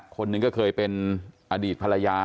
คนหนึ่งก็เคยเป็นอดีตภรรยา